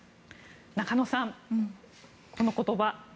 中野さん、この言葉。